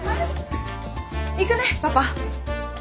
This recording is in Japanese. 行くねパパ！